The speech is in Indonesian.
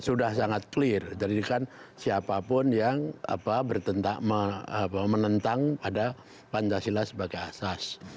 sudah sangat clear jadi ini kan siapa pun yang menentang pada pancasila sebagai asas